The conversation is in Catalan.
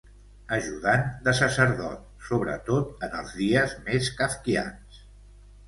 Ajudant de sacerdot, sobretot en els dies més kafkians.